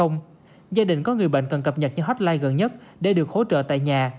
gia đình có người bệnh cần cập nhật cho hotline gần nhất để được hỗ trợ tại nhà